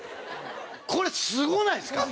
これすごないですか？